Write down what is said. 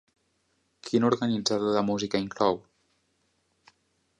Quin organitzador de música inclou?